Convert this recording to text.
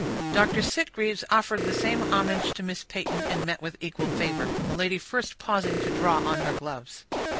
Dr. Sitgreaves offered the same homage to Miss Peyton, and met with equal favor; the lady first pausing to draw on her gloves.